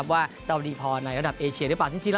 ว่าเราดีพอในระดาษเอเชียหรือเปล่า